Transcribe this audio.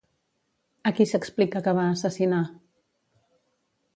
A qui s'explica que va assassinar?